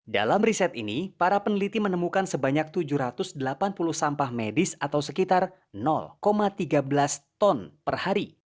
dalam riset ini para peneliti menemukan sebanyak tujuh ratus delapan puluh sampah medis atau sekitar tiga belas ton per hari